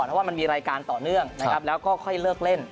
เพราะว่ามันมีรายการต่อเนื่องนะครับแล้วก็ค่อยเลิกเล่น